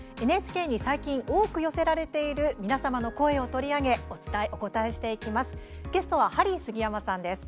ＮＨＫに最近多く寄せられている皆様の声を取り上げお応えしていきます。